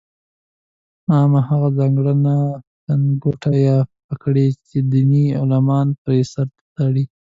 عمامه هغه ځانګړې لنګوټه یا پګړۍ چې دیني عالمان یې پر سر تړي.